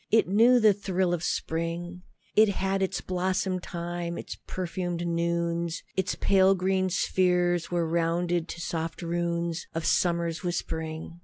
It knew the thrill of spring; It had its blossom time, its perfumed noons; Its pale green spheres were rounded to soft runes Of summer's whispering.